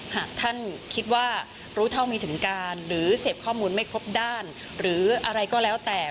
หากท่านคิดว่ารู้เท่าไม่ถึงการหรือเสพข้อมูลไม่ครบด้านหรืออะไรก็แล้วแต่